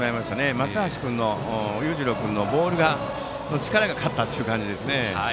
松橋裕次郎君のボールの力が勝ったという感じですね。